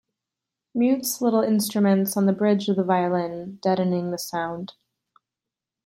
Mutes little instruments on the bridge of the violin, deadening the sound.